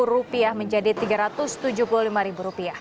rp satu menjadi rp tiga ratus tujuh puluh lima